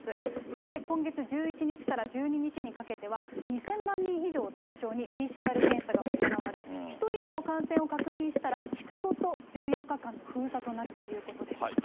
そして今月１１日から１２日にかけては、２０００万人以上を対象に、ＰＣＲ検査が行われ、１人でも感染を確認したら、地区ごと１４日間の封鎖となるということです。